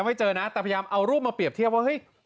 แต่พยายามเอารูปมาเปรียบเทียบว่า